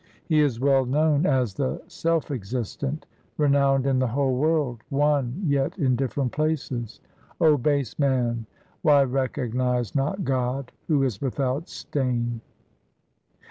He is well known 1 as the self existent, renowned in the whole world, One, yet in different places. O base man, why recognize not God who is without stain